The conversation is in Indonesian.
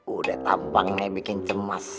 udah tampang nih bikin cemas